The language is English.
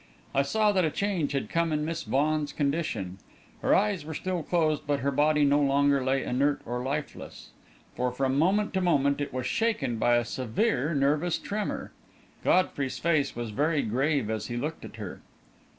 I saw that a change had come in Miss Vaughan's condition. Her eyes were still closed, but her body no longer lay inert and lifeless, for from moment to moment it was shaken by a severe nervous tremor. Godfrey's face was very grave as he looked at her.